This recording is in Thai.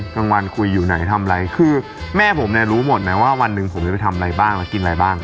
กลางวันคุยอยู่ไหนทำอะไรคือแม่ผมเนี่ยรู้หมดนะว่าวันหนึ่งผมจะไปทำอะไรบ้างแล้วกินอะไรบ้าง